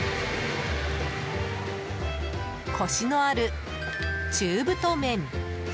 コシのある中太麺。